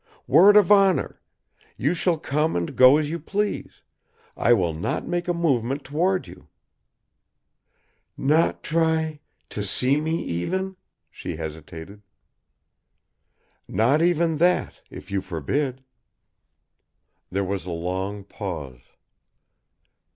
Word of honor! You shall come and go as you please; I will not make a movement toward you." "Not try to see me, even?" she hesitated. "Not even that, if you forbid." There was a long pause.